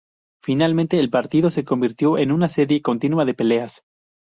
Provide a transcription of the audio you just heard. Finalmente, el partido se convirtió en una serie continua de peleas.